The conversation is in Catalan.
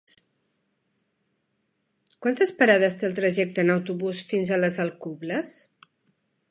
Quantes parades té el trajecte en autobús fins a les Alcubles?